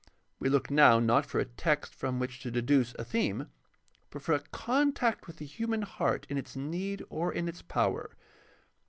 We look now, not for a text from which to deduce a theme, but for a con tact with the human heart in its need or in its power.